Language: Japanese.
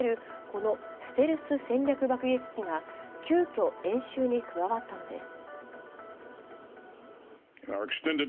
このステルス戦略爆撃機が急きょ、演習に加わったのです。